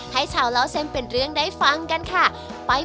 ให้ชาวเล่าเส้นเป็นเรื่องได้ฟังกันค่ะ